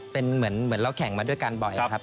เป็นเหมือนเราแข่งมาด้วยกันบ่อยครับ